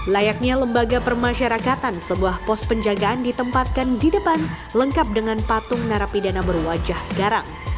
layaknya lembaga permasyarakatan sebuah pos penjagaan ditempatkan di depan lengkap dengan patung narapidana berwajah garang